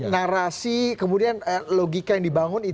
jadi memang narasi kemudian logika yang dibangun itu